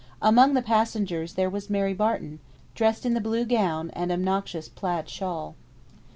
Among the passengers there was Mary Barton, dressed in the blue gown and obnoxious plaid shawl.